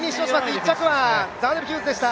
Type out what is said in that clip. １着はザーネル・ヒューズでした。